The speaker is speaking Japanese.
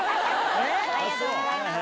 ありがとうございます。